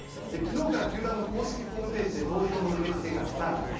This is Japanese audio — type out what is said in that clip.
きのうから球団の公式ホームページで投票の受け付けがスタート。